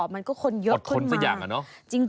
มันก็คนเยอะขึ้นมาอดทนสักอย่างน่ะนะ